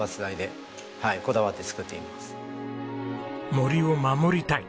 森を守りたい。